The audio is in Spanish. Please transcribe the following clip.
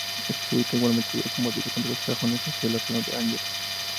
Es posible que igualmente haya combatido contra los sajones hacia la zona de Angers.